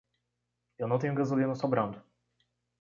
Eu não tenho gasolina sobrando.